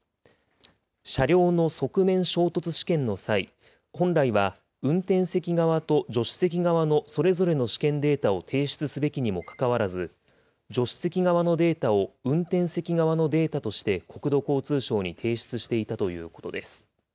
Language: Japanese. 車両の側面衝突試験の際、本来は運転席側と助手席側のそれぞれの試験データを提出すべきにもかかわらず、助手席側のデータを運転席側のデータとして国土交通省に提出していたということです。